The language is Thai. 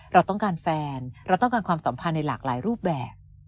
เราต้องการแฟนเราต้องการความสัมพันธ์ในหลากหลายรูปแบบ